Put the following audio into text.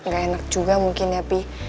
gak enak juga mungkin ya